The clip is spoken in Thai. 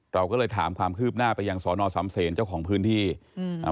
เราก็เลยถามความคืบหน้าไปยังสอนอสำเศษเจ้าของพื้นที่อืมอ่า